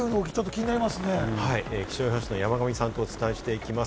気象予報士の山神さんとお伝えしていきます。